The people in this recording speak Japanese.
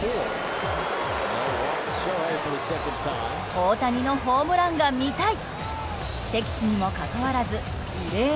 大谷のホームランが見たい！